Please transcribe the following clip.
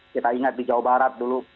kita ingat di jawa barat dulu